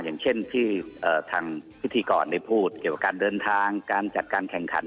อย่างเช่นที่ทางพิธีกรได้พูดเกี่ยวกับการเดินทางการจัดการแข่งขัน